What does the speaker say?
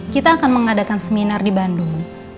kita akan mengadakan seminar di bandung